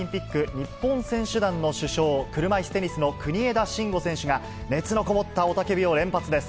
日本選手団の主将、車いすテニスの国枝慎吾選手が、熱のこもった雄たけびを連発です。